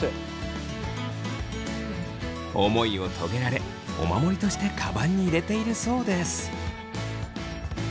思いを遂げられお守りとしてカバンに入れているそうです。